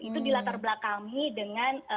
itu dilatar belakang ini dengan